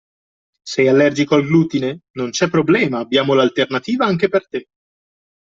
Sei allergico al glutine? Non c'è problema, abbiamo l'alternativa anche per te!